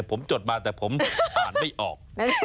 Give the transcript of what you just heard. ผมจดมาแต่ผมอ่านไม่ออก